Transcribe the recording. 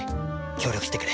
協力してくれ。